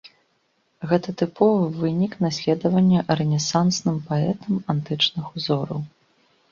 Гэта тыповы вынік наследавання рэнесансным паэтам антычных узораў.